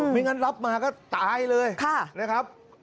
ไม่งั้นรับมาก็ตายเลยนะครับ